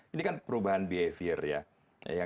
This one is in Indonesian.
ini kan perubahan behavior ya